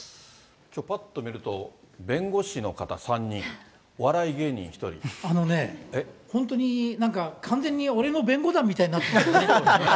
ぱっと見ると、弁護士の方３人、あのね、本当になんか完全に俺の弁護団みたいになってるよね。